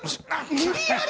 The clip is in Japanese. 無理やり！？